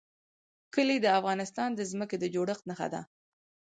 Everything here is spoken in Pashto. کلي د افغانستان د ځمکې د جوړښت نښه ده.